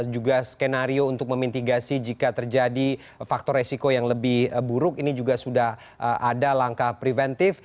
juga skenario untuk memitigasi jika terjadi faktor resiko yang lebih buruk ini juga sudah ada langkah preventif